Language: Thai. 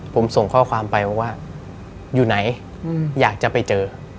ผมส่งข้อความไปบอกว่าอยู่ไหนอยากจะไปเจอ